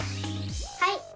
はい！